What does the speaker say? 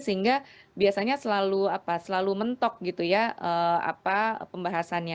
sehingga biasanya selalu apa selalu mentok gitu ya apa pembahasannya